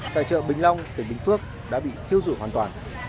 tại chợ bình long tỉnh bình phước đã bị thiêu dụi hoàn toàn